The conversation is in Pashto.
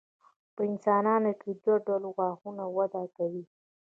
په انسانانو کې دوه ډوله غاښونه وده کوي.